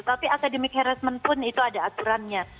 tapi academic haressment pun itu ada aturannya